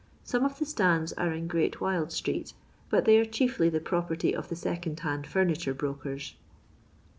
Some of tlie stands are in Great Wyld street, but they are chiefly the property of the second hand furniture brokers.